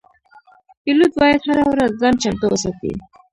پیلوټ باید هره ورځ ځان چمتو وساتي.